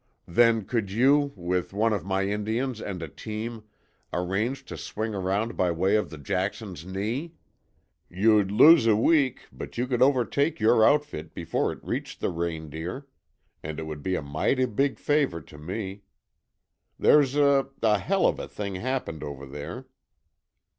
"Then could you, with one of my Indians and a team, arrange to swing around by way of the Jackson's Knee? You'd lose a week, but you could overtake your outfit before it reached the Reindeer and it would be a mighty big favour to me. There's a a HELL of a thing happened over there."